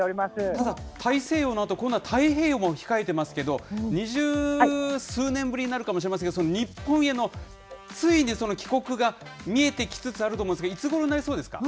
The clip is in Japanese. ただ大西洋のあと、今度は太平洋も控えてますけど、二十数年ぶりになるかもしれませんけど、日本への、ついに帰国が見えてきつつあると思うんですが、いつごろになりそうですか？